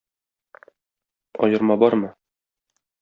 Аерма бармы?